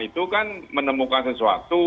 itu kan menemukan sesuatu